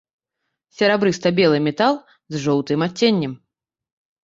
Серабрыста-белы метал з жоўтым адценнем.